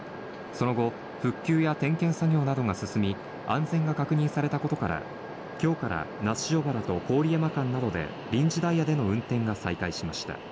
その後、復旧や点検作業などが進み、安全が確認されたことから、今日から那須塩原と郡山間などで臨時ダイヤでの運転が再開しました。